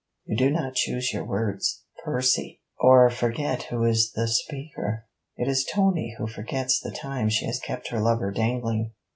You do not choose your words, Percy, or forget who is the speaker.' 'It is Tony who forgets the time she has kept her lover dangling.